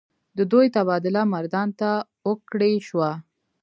د دوي تبادله مردان ته اوکړے شوه ۔